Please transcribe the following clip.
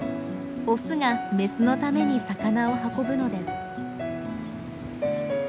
オスがメスのために魚を運ぶのです。